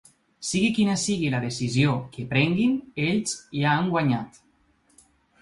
Sigui quina sigui la decisió que prenguin, ells ja han guanyat